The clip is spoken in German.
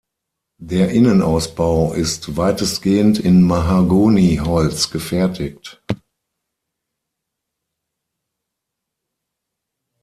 Der Innenausbau ist weitestgehend in Mahagoni-Holz gefertigt.